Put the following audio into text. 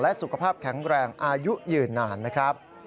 สุขภาพแข็งแรงอายุยืนนานนะครับ